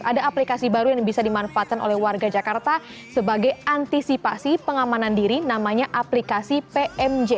ada aplikasi baru yang bisa dimanfaatkan oleh warga jakarta sebagai antisipasi pengamanan diri namanya aplikasi pmj